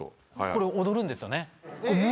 これ踊るんですよね？